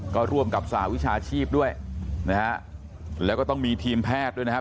ก็ร่วมกับสหวิชาชีพด้วยนะฮะแล้วก็ต้องมีทีมแพทย์ด้วยนะครับ